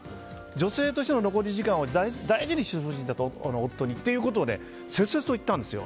女性としての残り時間を大事にしてほしいんだと、夫に。ということを切々と言ったんですよ。